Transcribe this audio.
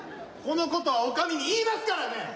このことは女将に言いますからね！